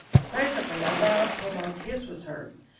Presently a loud prolonged hiss was heard.